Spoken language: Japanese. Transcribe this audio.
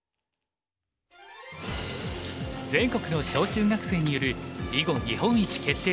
全国の小中学生による囲碁日本一決定